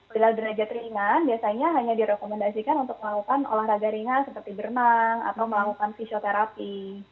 bila derajat ringan biasanya hanya direkomendasikan untuk melakukan olahraga ringan seperti berenang atau melakukan fisioterapi